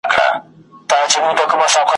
خو هغه کړو چي بادار مو خوشالیږي `